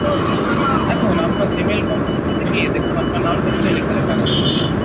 এখন আপনার Gmail compose পেজে গিয়ে দেখুন আপনার নাম-পরিচয় লেখা দেখাবে।